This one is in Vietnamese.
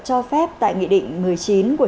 cho phép tại nghị định một mươi chín của